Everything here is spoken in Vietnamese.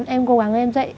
em cố gắng em dậy